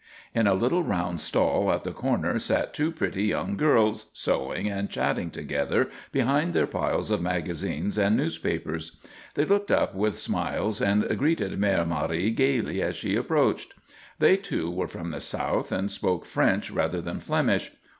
In a little round stall at the corner sat two pretty young girls sewing and chatting together behind their piles of magazines and newspapers. They looked up with smiles and greeted Mère Marie gayly as she approached. They, too, were from the South and spoke French rather than Flemish.